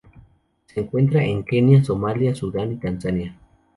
Se encuentran en Kenia, Somalia, Sudán, y Tanzania.